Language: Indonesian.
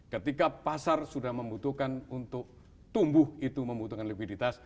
ketika pasar sudah membutuhkan untuk tumbuh itu membutuhkan likuiditas